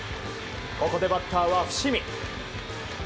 ここでバッターは伏見。